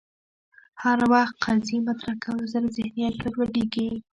هر وخت قضیې مطرح کولو سره ذهنیت ګډوډېږي